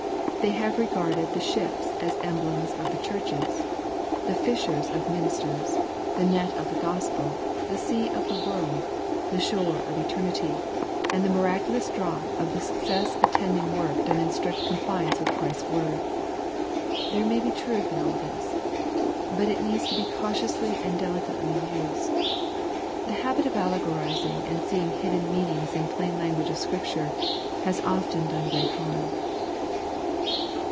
They have re garded the ships as emblems of the Churches, — the fishers of Mimsters, — ^the net of the Gospel, — ^the sea of the world, — ^the shore of eternity, — ^and the miraculous draught of the success attending work done in strict compliance with Christ's word. There may be truth in all this. But it needs to be cautiously and delicately used. The habit of allegorizing and seeing hidden meanings in plajn language of Scripture has often done great harm.